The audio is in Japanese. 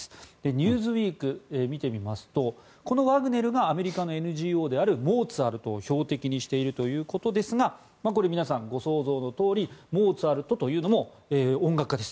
「ニューズウィーク」を見てみますとこのワグネルがアメリカのＮＧＯであるモーツァルトを標的にしているということですがこれは皆さんご想像のとおりモーツァルトというのも音楽家です。